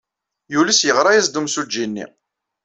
Yules yeɣra-as-d yemsujji-nni.